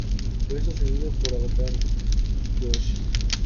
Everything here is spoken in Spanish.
Fue sucedido por Avatar Kyoshi.